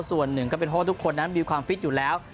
ส่วนหนึ่งก็เป็นทุกคนมีความฟิตอยู่แล้ว